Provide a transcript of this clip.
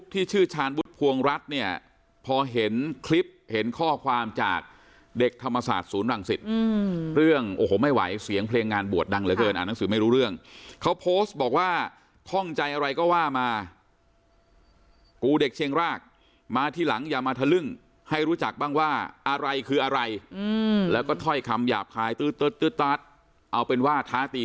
ที่ชื่อชาญวุฒิภวงรัฐเนี่ยพอเห็นคลิปเห็นข้อความจากเด็กธรรมศาสตร์ศูนย์รังสิตเรื่องโอ้โหไม่ไหวเสียงเพลงงานบวชดังเหลือเกินอ่านหนังสือไม่รู้เรื่องเขาโพสต์บอกว่าข้องใจอะไรก็ว่ามากูเด็กเชียงรากมาทีหลังอย่ามาทะลึ่งให้รู้จักบ้างว่าอะไรคืออะไรแล้วก็ถ้อยคำหยาบคายตื้อตั๊ดเอาเป็นว่าท้าตี